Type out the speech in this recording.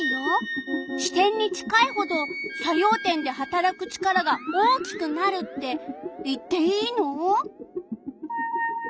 支点に近いほど作用点ではたらく力が大きくなるって言っていいの？